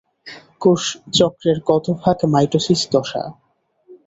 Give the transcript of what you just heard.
কোষচক্রের কতভাগ মাইটোসিস দশা?